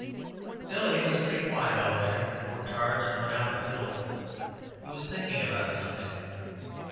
Billy was pretty quiet all winter, worked hard and went out but little he was thinking about something.